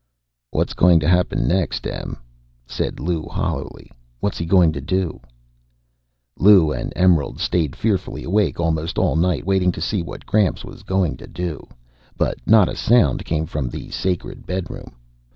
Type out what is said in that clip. "What's going to happen next, Em?" said Lou hollowly. "What's he going to do?" Lou and Emerald stayed fearfully awake almost all night, waiting to see what Gramps was going to do. But not a sound came from the sacred bedroom.